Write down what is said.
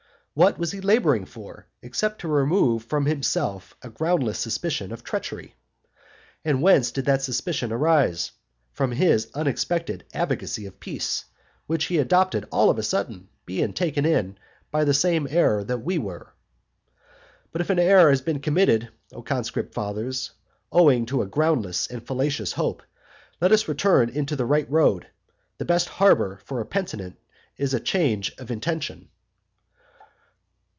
What was he labouring for, except to remove from himself a groundless suspicion of treachery? And whence did that suspicion arise? From his unexpected advocacy of peace, which he adopted all on a sudden, being taken in by the same error that we were. But if an error has been committed, O conscript fathers, owing to a groundless and fallacious hope, let us return into the right road. The best harbour for a penitent is a change of intention.